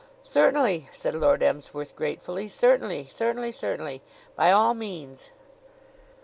"Certainly," said Lord Emsworth gratefully. "Certainly, certainly, certainly! By all means."